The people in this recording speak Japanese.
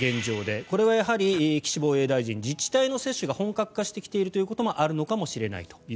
これはやはり、岸防衛大臣自治体の接種が本格化してきていることがあるのかもしれないと。